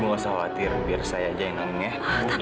atau ada cara lain sus